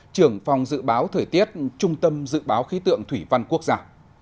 trưởng phòng dự báo thời tiết trung tâm dự báo khí tượng thủy văn quốc gia